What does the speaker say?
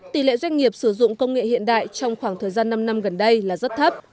tỷ lệ doanh nghiệp sử dụng công nghệ hiện đại trong khoảng thời gian năm năm gần đây là rất thấp